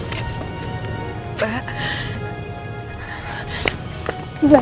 kok lo tegas sih mbak